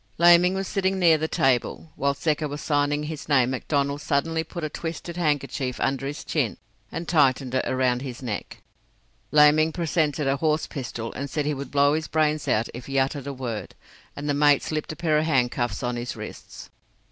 Laming was sitting near the table. While Secker was signing his name McDonnell suddenly put a twisted handkerchief under his chin and tightened it round his neck. Laming presented a horse pistol and said he would blow his brains out if he uttered a word, and the mate slipped a pair of handcuffs on his wrists.